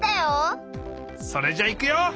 それじゃいくよ！